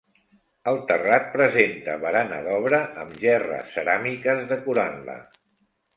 El terrat presenta barana d'obra amb gerres ceràmiques decorant-la.